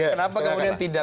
kenapa kemudian tidak